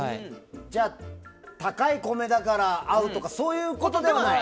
じゃあ、高い米だから合うとかそういうことではない？